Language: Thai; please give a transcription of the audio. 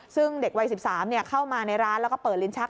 ซึ่งเด็กวัย๑๓เข้ามาในร้านแล้วก็เปิดลิ้นชัก